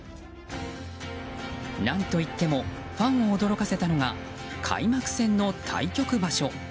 何といってもファンを驚かせたのが開幕戦の対局場所。